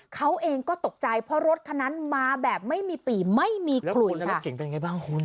เขาเองก็ตกใจเพราะรถคันนั้นมาแบบไม่มีปี่ไม่มีกลุ่มแล้วรถเก่งเป็นไงบ้างคุณ